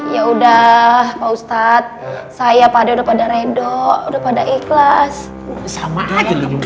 ya udah pak ustadz saya pak d udah pada redo udah pada ikhlas